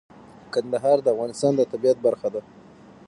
کندهار د افغانستان د طبیعت برخه ده.